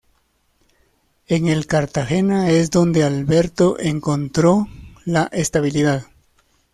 En el Cartagena es donde Alberto encontró la estabilidad.